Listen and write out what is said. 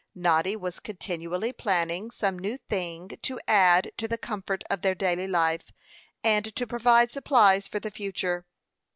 Noddy was continually planning some new thing to add to the comfort of their daily life, and to provide supplies for the future.